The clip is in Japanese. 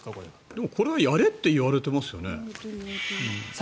でも、これはやれって言われてますよね。